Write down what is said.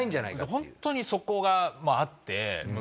ホントにそこがあって。